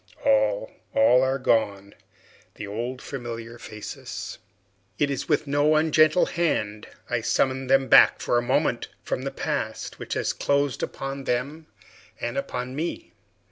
"All, all are gone, the old familiar faces!" It is with no ungentle hand I summon them back, for a moment, from that Past which has closed upon them and upon me.